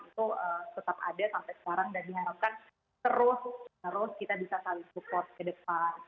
itu tetap ada sampai sekarang dan diharapkan terus kita bisa saling support ke depan